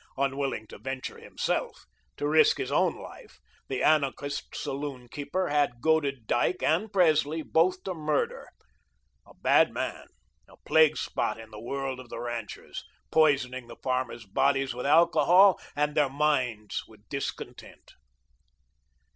Unwilling to venture himself, to risk his own life, the anarchist saloon keeper had goaded Dyke and Presley both to murder; a bad man, a plague spot in the world of the ranchers, poisoning the farmers' bodies with alcohol and their minds with discontent.